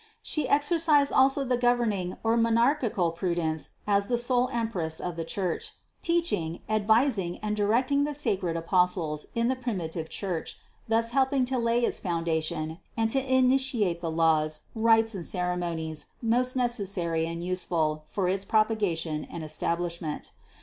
548. She exercised also the governing or monarchical prudence as the sole Empress of the Church, teaching, ad vising and directing the sacred Apostles in the primitive Church, thus helping to lay its foundation and to initiate the laws, rites and ceremonies most necessary and use ful for its propagation and establishment.